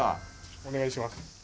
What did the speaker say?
お願いします。